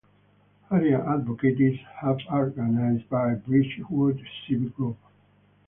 Area advocates have organized the Brightwood Civic Group.